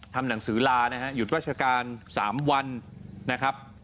ทำหนังสือลานะฮะหยุดราชการ๓วันนะครับ